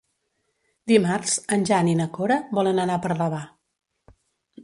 Dimarts en Jan i na Cora volen anar a Parlavà.